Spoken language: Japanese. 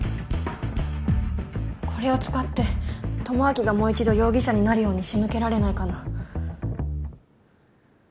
これを使って智明がもう一度容疑者になるように仕向けられないかな。